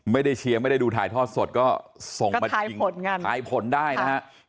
ไม่ได้เชียร์ไม่ได้ดูทายทอดสดก็ทายผลได้นะครับ